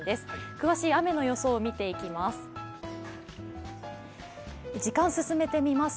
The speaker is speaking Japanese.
詳しい雨の予想を見ていきます。